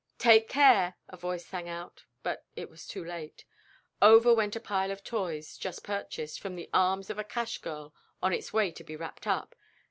"Take care!" a voice sang out, but it was too late. Over went a pile of toys, just purchased, from the arms of a cash girl on its way to be wrapped up.